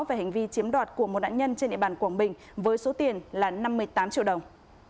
về hành vi chiếm đoạt của một nạn nhân trên địa bàn quảng bình với số tiền là năm mươi tám triệu đồng